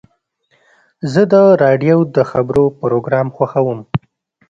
زه د راډیو د خبرو پروګرام خوښوم.